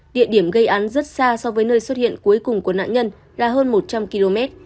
địa điểm gây án rất xa so với nơi xuất hiện cuối cùng của nạn nhân là hơn một trăm linh km